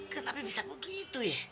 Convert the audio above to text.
kenapa bisa begitu ya